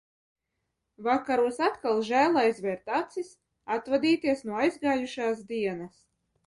Vakaros atkal žēl aizvērt acis, atvadīties no aizgājušās dienas.